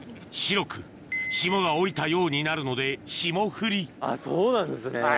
白く霜が降りたようになるので霜降りあっそうなんですね。